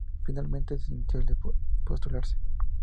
Finalmente, desistió de postularse.